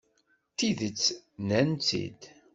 Tidet, nnan-tt-id.